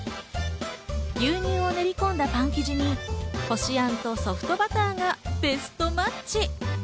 牛乳を練り込んだパン生地にこしあんとソフトバターがベストマッチ。